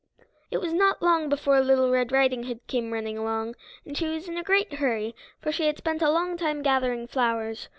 It was not long before Little Red Riding Hood came running along, and she was in a great hurry, for she had spent a long time gathering flowers.